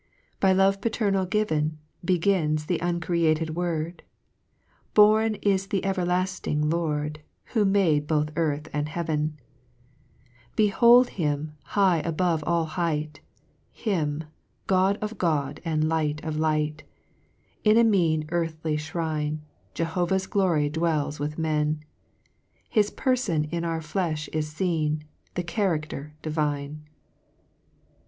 By love paternal given : Begins the uncreated word ; Born is the evcrlafting Lord ; Who made both earth and heaven I 2 Behold him, high above all height ! Him, God of God, and Light of Light In a mean earthly flirine : Jehovah's Glory dwells with men, His Pcrfon in our flefli is fcen, The character divine